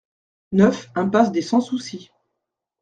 neuf impasse des Sans Soucis